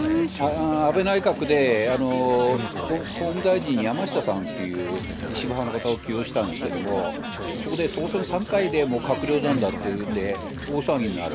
安倍内閣で法務大臣に山下さんっていう石破派の方の起用したんですけれども、そこで当選３回で、もう閣僚なんだっていうんで、大騒ぎになる。